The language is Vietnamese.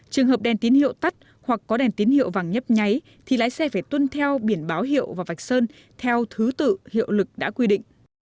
trường hợp đèn tín hiệu tắt hoặc có đèn tín hiệu vàng nhấp nháy thì lái xe phải tuân theo biển báo hiệu và vạch sơn theo thứ tự hiệu lực đã quy định